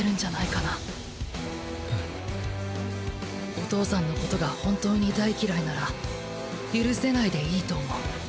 お父さんのことが本当に大嫌いなら「許せない」でいいと思う。